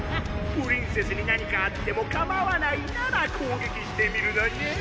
「プリンセスに何かあってもかまわないなら攻撃してみるのねん！」